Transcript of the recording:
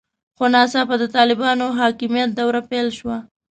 خو ناڅاپه د طالبانو حاکمیت دوره پیل شوه.